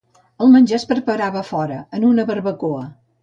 El menjar es preparava a fora, en una barbacoa.